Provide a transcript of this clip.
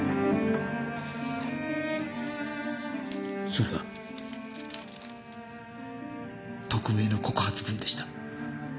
それが匿名の告発文でした。